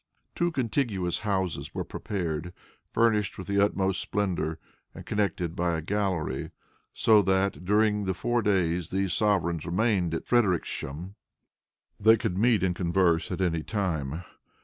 Two contiguous houses were prepared, furnished with the utmost splendor, and connected by a gallery, so that, during the four days these sovereigns remained at Frederiksham, they could meet and converse at any time.